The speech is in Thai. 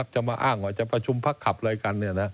จะมาอ้างว่าจะประชุมพักขับอะไรกัน